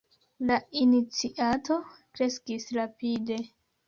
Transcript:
La iniciato kreskis rapide.